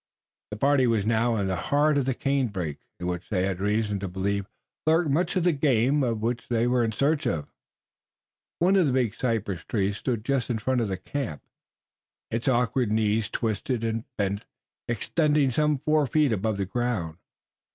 The party was now in the heart of the canebrake, in which they had reason to believe lurked much of the game of which they were in search. One of the big cypress trees stood just in front of the camp, its awkward knees twisted and bent, extending some four feet above the ground.